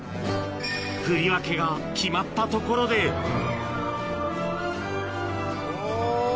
振り分けが決まったところでお。